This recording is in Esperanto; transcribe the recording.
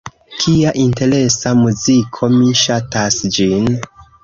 Kia interesa muziko. Mi ŝatas ĝin.